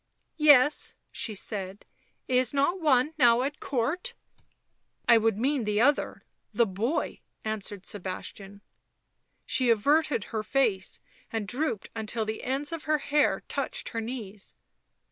" Yes," she said. " Is not one now at Court ?"" I would mean the other — the boy," answered Sebastian. She averted her face and drooped until the ends of her hair touched her knees.